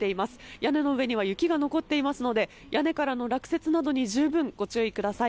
屋根の上には雪が残っていますので、屋根からの落雪などに十分ご注意ください。